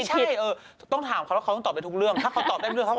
ต้องตอบไปทุกเรื่องถ้าเขาตอบได้ทุกเรื่องเขาก็